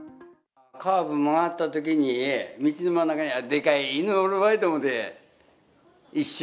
カーブ回ったときに、道の真ん中にでかい犬おるわいと思って、一瞬。